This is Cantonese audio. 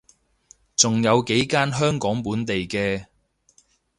仲有幾間香港本地嘅